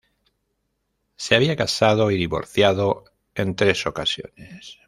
Se había casado y divorciado en tres ocasiones.